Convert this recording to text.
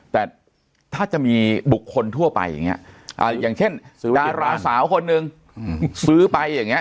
แต่ถ้าจะมีบุคคลทั่วไปอย่างนี้อย่างเช่นดาราสาวคนหนึ่งซื้อไปอย่างนี้